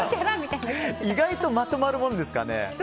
意外とまとまるものですかね。